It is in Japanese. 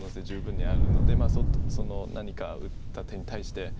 十分にあるのでまあその何か打った手に対して。